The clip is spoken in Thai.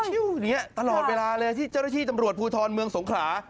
อย่างนี้ตลอดเวลาเลยที่เจ้าหน้าที่ตำรวจภูทรเมืองสงขลา